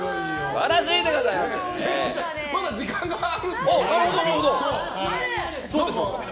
まだ時間があるんですよ。